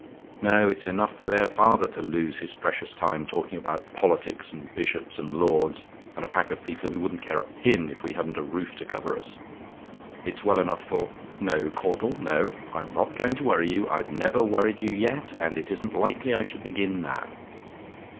No; it's enough for their father to lose his precious time, talking about politics, and bishops, and lords, and a pack of people who wouldn't care a pin if we hadn't a roof to cover us it's well enough for no, Caudle, no: I'm not going to worry you; I never worried you yet, and it isn't likely I should begin now.